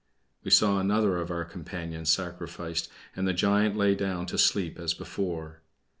We saw another of our companions sacrificed, and the giant lay down to sleep as before.